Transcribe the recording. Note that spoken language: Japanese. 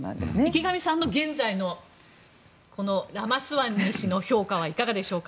池上さんの現在のラマスワミ氏の評価はいかがでしょうか？